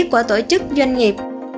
của tổ chức doanh nghiệp